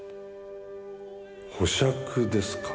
保釈ですか？